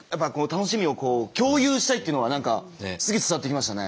楽しみを共有したいっていうのは何かすげえ伝わってきましたね。